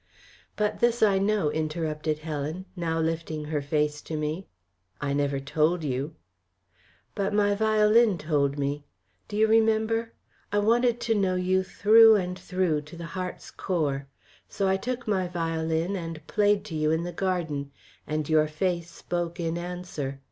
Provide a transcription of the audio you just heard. "But this I know," interrupted Helen, now lifting her face to me. "I never told you." "But my violin told me. Do you remember? I wanted to know you through and through, to the heart's core. So I took my violin and played to you in the garden. And your face spoke in answer.